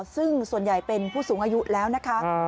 ซึ่งส่วนใหญ่เป็นผู้สูงอายุแล้วนะคะ